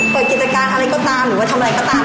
เปิดกิจการอะไรก็ตามหรือว่าทำอะไรก็ตาม